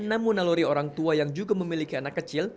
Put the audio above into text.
namun naluri orang tua yang juga memiliki anak kecil